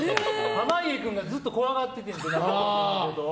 濱家君がずっと怖がってて中岡君のことを。